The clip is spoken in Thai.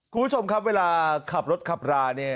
คุณผู้ชมครับเวลาขับรถขับราเนี่ย